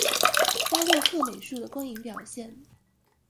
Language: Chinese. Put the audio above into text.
巴洛克美术的光影表现